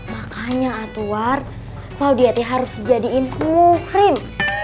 makanya atwar claudiate harus dijadiin muhrim